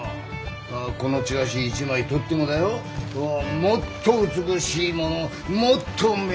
あこのチラシ一枚とってもだよもっと美しいものもっと目立つもの